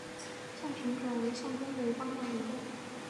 象神转为向东北方向移动。